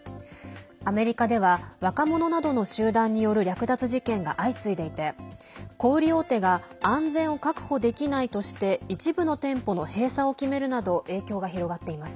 アメリカでは若者などの集団による略奪事件が相次いでいて小売大手が安全を確保できないとして一部の店舗の閉鎖を決めるなど影響が広がっています。